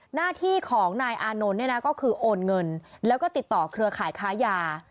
หน้าที่ของนายอานนท์เนี่ยนะก็คือโอนเงินแล้วก็ติดต่อเครือข่ายค้ายา